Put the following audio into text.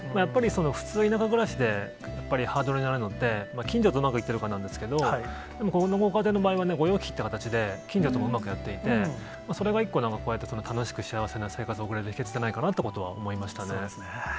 普通、田舎暮らしでやっぱりハードルになるのって、近所とうまくいってるかなんですけれども、でもこのご家庭の場合は、御用聞きっていう形で、近所ともうまくやっていて、それが一個、なんかこうやって楽しく幸せな生活を送れる秘けつじゃないかなとそうですね。